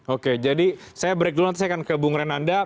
oke jadi saya break dulu nanti saya akan ke bung renanda